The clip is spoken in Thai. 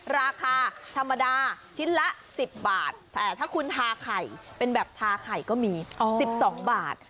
ราคาธรรมดาชิ้นละ๑๐บาทแต่ถ้าคุณทาไข่เป็นแบบทาไข่ก็มี๑๒บาท